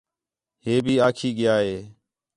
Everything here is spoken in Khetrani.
ہے بھی آکھی ڳِیا ہِے